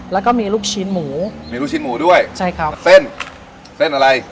แล้วก็มีลูกชิ้นหมูมีลูกชิ้นหมูด้วยใช่ครับเส้นเส้นอะไร